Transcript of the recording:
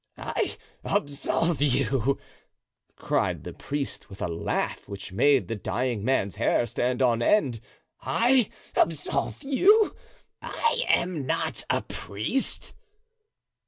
"I, absolve you!" cried the priest, with a laugh which made the dying man's hair stand on end; "I, absolve you? I am not a priest."